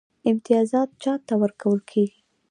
امتیازات چا ته ورکول کیږي؟